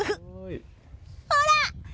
ほら！